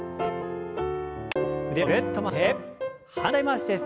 腕をぐるっと回して反対回しです。